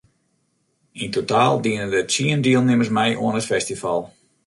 Yn totaal diene der tsien dielnimmers mei oan it festival.